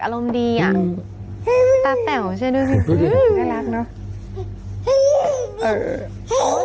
อารมณ์ดีอ่ะตาแป๋วใช่ไหมน่ารักเนอะ